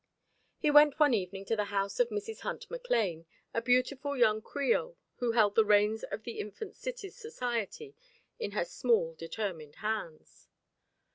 He went one evening to the house of Mrs. Hunt McLane, a beautiful young Creole who held the reins of the infant city's society in her small determined hands.